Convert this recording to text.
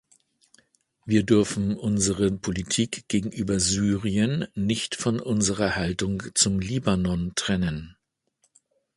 Wir dürfen unsere Politik gegenüber Syrien nicht von unserer Haltung zum Libanon trennen.